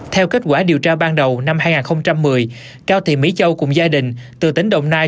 theo kết quả điều tra ban đầu năm hai nghìn một mươi cao thị mỹ châu cùng gia đình từ tỉnh đồng nai